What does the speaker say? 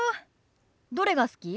どれが好き？